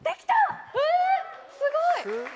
えすごい！